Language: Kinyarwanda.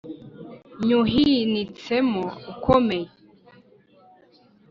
nywuhinitsemo ukomeye